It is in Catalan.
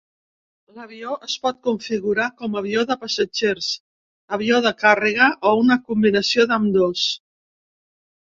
L"avió es pot configurar com a avió de passatgers, avió de càrrega o una combinació d"ambdós.